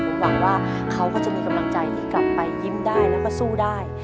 ผมหวังว่าเขาก็จะมีกำลังใจที่กลับไปยิ้มได้แล้วก็สู้ได้